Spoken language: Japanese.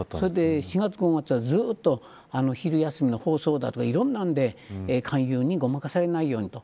４月、５月は、ずっと昼休みの放送だと色んなので勧誘にごまかされないようにと。